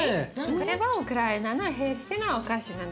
これはウクライナのヘルシーなお菓子なんですよ。